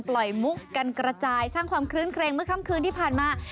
ปล่อยมุกกันกระจายสร้างความเคลื่อนเมื่อค่ำคืนที่ผ่านมา